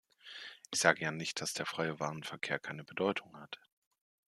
Ich sage ja nicht, dass der freie Warenverkehr keine Bedeutung hat.